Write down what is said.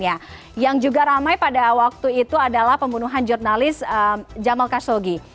yang juga ramai pada waktu itu adalah pembunuhan jurnalis jamal kasogi